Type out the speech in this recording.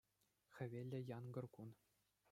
Хӗвеллӗ янкӑр кун.